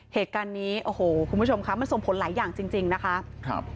เหตุการณ์นี้คุณผู้ชมครับมันส่งผลหลายอย่างจริงนะครับ